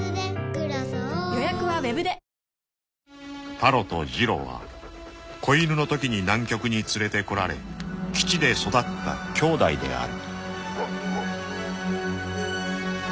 ［タロとジロは子犬のときに南極に連れてこられ基地で育った兄弟である］